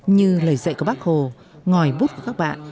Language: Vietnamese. như lời dạy của bác hồ ngòi bút của các bạn